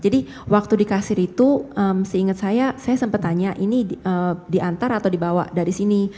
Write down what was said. jadi waktu di kasir itu seinget saya saya sempat tanya ini diantar atau dibawa dari sini